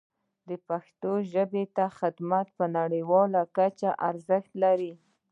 پښتو ژبې ته خدمت په نړیواله کچه ارزښت لري.